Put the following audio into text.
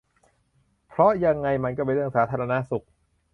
เพราะยังไงมันก็เป็นเรื่องสาธารณสุข